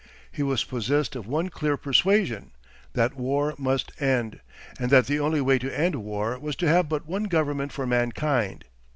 He was possessed of one clear persuasion, that war must end, and that the only way to end war was to have but one government for mankind.